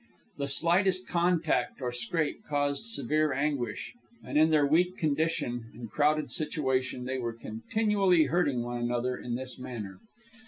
The slightest contact or scrape caused severe anguish, and in their weak condition and crowded situation they were continually hurting one another in this manner.